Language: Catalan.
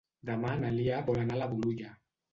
Demà na Lia vol anar a Bolulla.